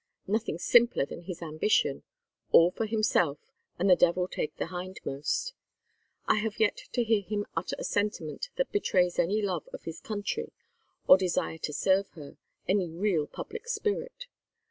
Nothing simpler than his ambition: all for himself, and the devil take the hindmost. I have yet to hear him utter a sentiment that betrays any love of his country or desire to serve her, any real public spirit.